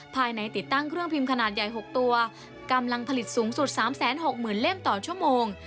ภายในติดตั้งเครื่องพิมพ์ขนาดใหญ่๖ตัวกำลังผลิตสูงสุด๓๖๐๐๐เล่มต่อชั่วโมง